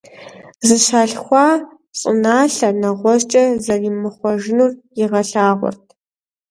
Зыщалъхуа щӀыналъэр нэгъуэщӀкӀэ зэримыхъуэжынур игъэлъагъуэрт.